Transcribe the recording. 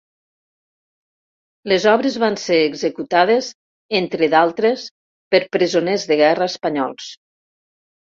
Les obres van ser executades entre d'altres per presoners de guerra espanyols.